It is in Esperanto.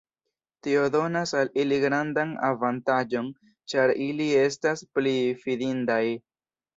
Tio donas al ili grandan avantaĝon ĉar ili estas pli fidindaj.